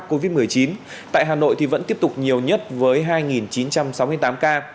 cả nước có một mươi sáu bảy trăm hai mươi năm ca mắc covid một mươi chín tại hà nội vẫn tiếp tục nhiều nhất với hai chín trăm sáu mươi tám ca